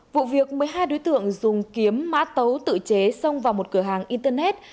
vụ việc một mươi hai đối tượng dùng kiếm mã tấu tự chế xông vào một cửa hàng internet